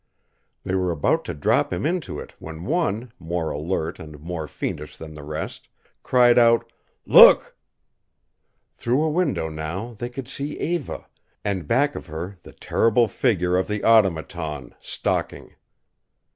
They were about to drop him into it when one, more alert and more fiendish than the rest, cried out, "Look!" Through a window now they could see Eva, and back of her the terrible figure of the Automaton, stalking.